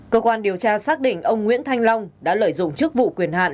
cơ quan điều tra xác định ông nguyễn thanh long đã lợi dụng chức vụ quyền hạn